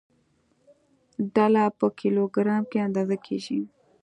ډله په کیلوګرام کې اندازه کېږي.